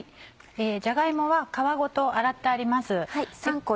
じゃが芋は皮ごと洗ってあります。